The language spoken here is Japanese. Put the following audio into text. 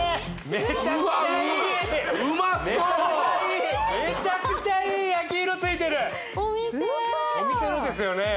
めちゃくちゃいい焼き色ついてる・ウソお店のですよね